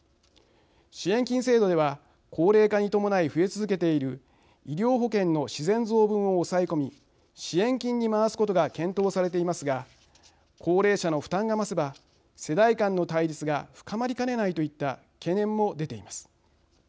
支援金制度では高齢化に伴い増え続けている医療保険の自然増分を抑え込み支援金に回すことが検討されていますが高齢者の負担が増せば世代間の対立が深まりかねないといった懸念も出ています。